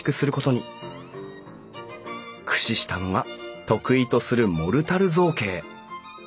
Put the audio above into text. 駆使したのが得意とするモルタル造形。